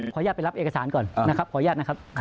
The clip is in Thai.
ขออนุญาตไปรับเอกสารก่อนนะครับขออนุญาตนะครับ